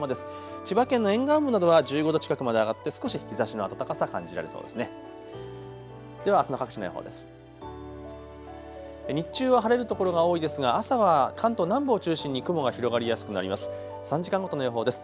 千葉県の沿岸部などは１５度近くまで上がって少し日ざしの暖かさ、感じられそうですね。